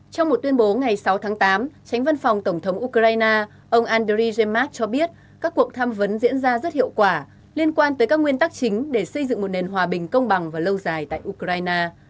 trong một tuyên bố ngày sáu tháng tám tránh văn phòng tổng thống ukraine ông andri jammad cho biết các cuộc tham vấn diễn ra rất hiệu quả liên quan tới các nguyên tắc chính để xây dựng một nền hòa bình công bằng và lâu dài tại ukraine